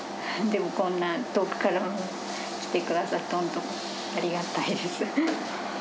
でもこんな遠くから来てくださって本当、ありがたいです。